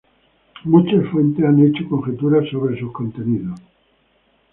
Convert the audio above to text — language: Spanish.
Muchas fuentes han hecho conjeturas sobre sus contenidos.